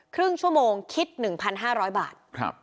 ครึ่งชั่วโมงคิด๑๕๐๐บาท